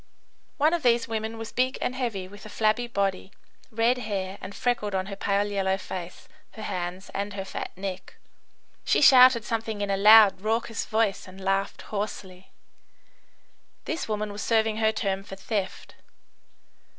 One of these women was big and heavy, with a flabby body, red hair, and freckled on her pale yellow face, her hands, and her fat neck. She shouted something in a loud, raucous voice, and laughed hoarsely. This woman was serving her term for theft.